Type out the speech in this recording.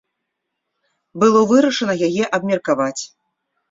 Было вырашана яе абмеркаваць.